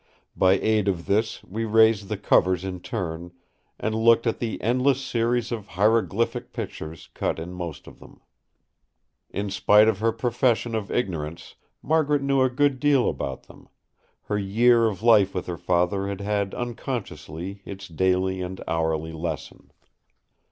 By aid of this we raised the covers in turn and looked at the endless series of hieroglyphic pictures cut in most of them. In spite of her profession of ignorance Margaret knew a good deal about them; her year of life with her father had had unconsciously its daily and hourly lesson.